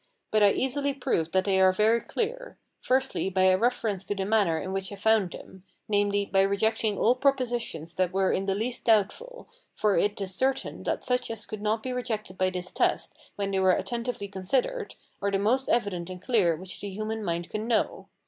But I easily prove that they are very clear; firstly, by a reference to the manner in which I found them, namely, by rejecting all propositions that were in the least doubtful, for it is certain that such as could not be rejected by this test when they were attentively considered, are the most evident and clear which the human mind can know.